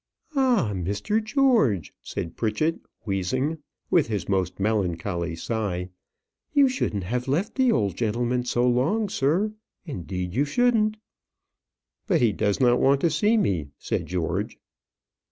"Ah, Mr. George," said Pritchett, wheezing, with his most melancholy sigh. "You shouldn't have left the old gentleman so long, sir. Indeed you shouldn't." "But he does not want to see me," said George.